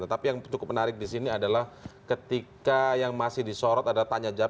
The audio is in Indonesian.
tetapi yang cukup menarik di sini adalah ketika yang masih disorot adalah tanya jawab